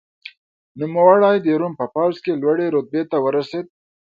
نوموړی د روم په پوځ کې لوړې رتبې ته ورسېد.